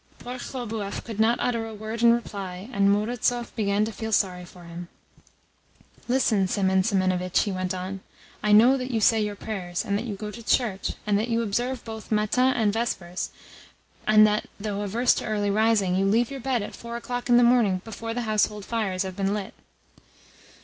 Poor Khlobuev could not utter a word in reply, and Murazov began to feel sorry for him. "Listen, Semen Semenovitch," he went on. "I know that you say your prayers, and that you go to church, and that you observe both Matins and Vespers, and that, though averse to early rising, you leave your bed at four o'clock in the morning before the household fires have been lit."